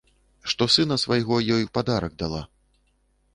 Што сына свайго ёй у падарак дала.